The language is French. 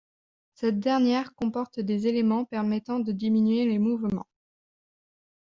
Cette dernière comporte des éléments permettant de diminuer les mouvements.